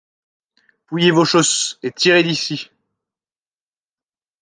Pouillez vos chausses et tirez d’icy !